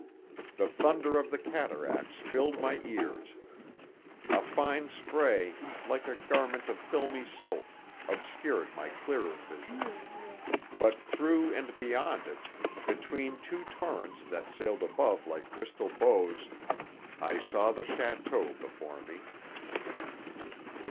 The thunder of the cataracts filled my ears. A fine spray, like a garment of filmy silk, obscured my clearer vision; but through and beyond it, between two torrents that sailed above like crystal bows, I saw the château before me.